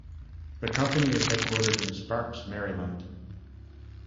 The company is headquartered in Sparks, Maryland.